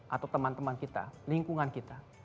atau teman teman kita lingkungan kita